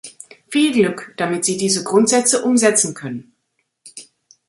Viel Glück, damit Sie diese Grundsätze umsetzen können!